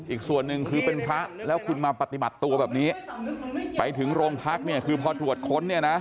อีกส่วนหนึ่งคือเป็นพระแล้วคุณมาปฏิบัติตัวแบบนี้ไปถึงโรงพักเนี่ยคือพอตรวจค้นเนี่ยนะ